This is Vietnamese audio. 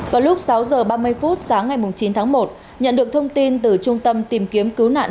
vào lúc sáu h ba mươi phút sáng ngày chín tháng một nhận được thông tin từ trung tâm tìm kiếm cứu nạn